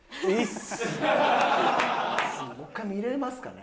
もう１回見れますかね？